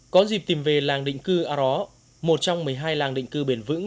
có dịp tìm về làng định cư a ró một trong một mươi hai làng định cư bền vững